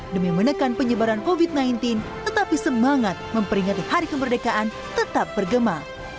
demi menekan penyebaran covid sembilan belas tetapi semangat memperingati hari kemerdekaan tetap bergema